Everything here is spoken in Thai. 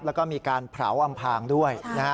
แล้วก็มีการเผาร์วอำภาด้วย